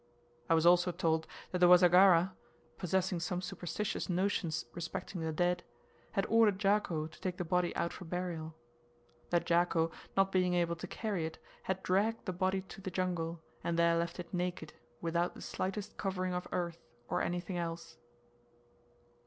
I was also told that the Wasagara, possessing some superstitious notions respecting the dead, had ordered Jako to take the body out for burial, that Jako, not being able to carry it, had dragged the body to the jungle, and there left it naked without the slightest covering of earth, or anything else.